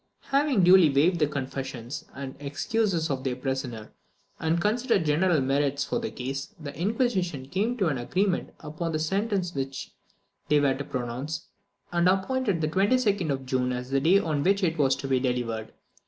Having duly weighed the confessions and excuses of their prisoner, and considered the general merits of the case, the Inquisition came to an agreement upon the sentence which they were to pronounce, and appointed the 22d of June as the day on which it was to be delivered.